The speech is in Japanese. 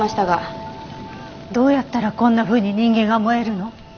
どうやったらこんなふうに人間が燃えるの？